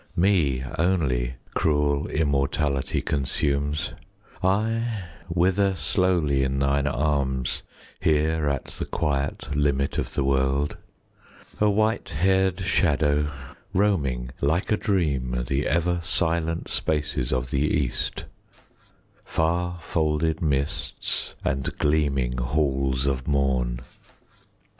Me only cruel immortality Consumes: I wither slowly in thine arms, Here at the quiet limit of the world, A white hair'd shadow roaming like a dream The ever silent spaces of the East, Far folded mists, and gleaming halls of morn.